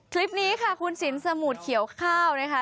คลิปนี้ค่ะคุณสินสมุทรเขียวข้าวนะคะ